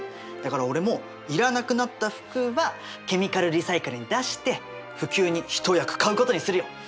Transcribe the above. だから俺もいらなくなった服はケミカルリサイクルに出して普及に一役買うことにするよ。